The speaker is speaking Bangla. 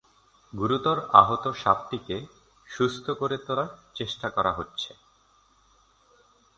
গুরুতর আহত সাপটিকে সুস্থ করে তোলার চেষ্টা করা হচ্ছে।